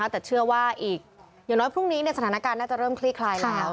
แต่เชื่อว่าอีกอย่างน้อยพรุ่งนี้สถานการณ์น่าจะเริ่มคลี่คลายแล้ว